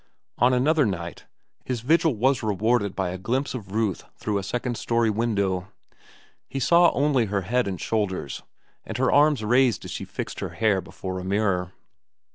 On another night, his vigil was rewarded by a glimpse of Ruth through a second story window. He saw only her head and shoulders, and her arms raised as she fixed her hair before a mirror.